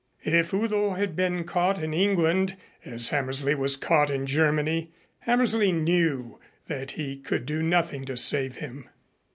If Udo had been caught in England as Hammersley was caught in Germany, Hammersley knew that he could do nothing to save him.